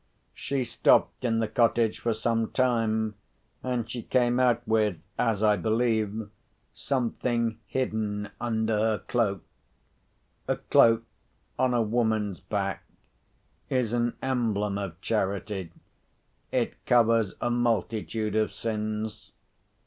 She stopped in the cottage for some time, and she came out with (as I believe) something hidden under her cloak. A cloak (on a woman's back) is an emblem of charity—it covers a multitude of sins.